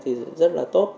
thì rất là tốt